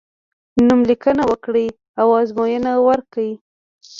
نوم لیکنه وکړی او ازموینه ورکړی.